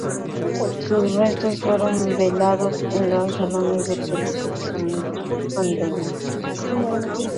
Sus restos fueron velados en los salones del servicio San Antonio.